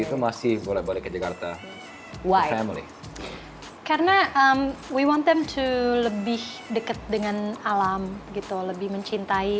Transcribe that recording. itu masih boleh balik ke jakarta karena we want them to lebih deket dengan alam gitu lebih mencintai